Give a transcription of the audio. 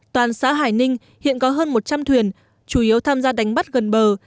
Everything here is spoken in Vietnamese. toàn xã hải ninh hiện có hơn một trăm linh thuyền chủ yếu tham gia đánh bắt gần bờ